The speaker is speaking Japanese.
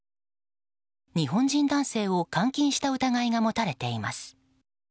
日本人男性を監禁した疑いが持たれています。